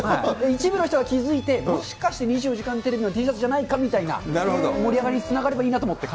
一部の人が気付いて、もしかしたら２４時間テレビのＴシャツじゃないかみたいな、盛り上がりにつながればいいなと思って。